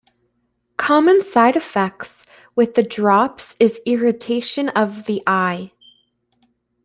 Common side effects with the drops is irritation of the eye.